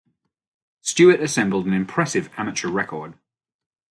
Stewart assembled an impressive amateur record.